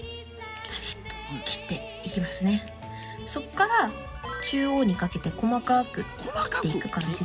そこから中央にかけて細かく切っていく感じです。